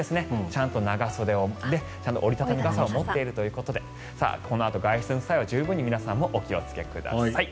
ちゃんと長袖で折り畳み傘を持っているということでこのあと外出の際は十分に皆さんお気をつけください。